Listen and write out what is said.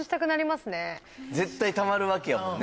絶対たまるわけやもんね。